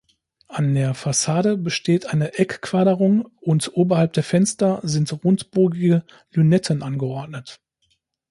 An der Fassade besteht eine Eckquaderung und oberhalb der Fenster sind rundbogige Lünetten angeordnet.